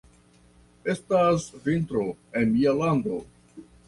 Estas vintro en mia lando.